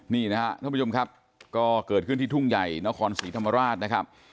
นี่นะครับท่านผู้ชมครับก็เกิดขึ้นที่ทุ่งใหญ่นครศรีธรรมราชนะครับ